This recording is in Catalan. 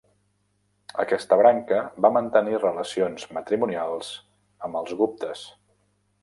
Aquesta branca va mantenir relacions matrimonials amb els guptes.